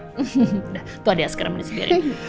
udah tuh ada askaramain disini